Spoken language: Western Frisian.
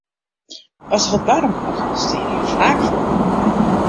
As der wat barre moat, steane je faak foaroan.